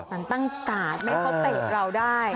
มันตั้งกาดไม่ให้เขาเตะเราได้